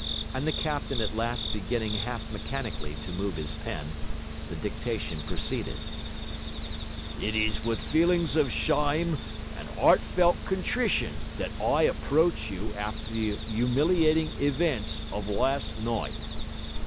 And the captain at last beginning half mechanically to move his pen, the dictation proceeded: It is with feelings of shyme and 'artfelt contrition that I approach you after the yumiliatin' events of last night.